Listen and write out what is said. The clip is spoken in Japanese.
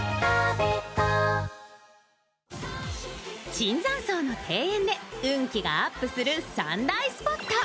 椿山荘の庭園で運気がアップする３大スポット。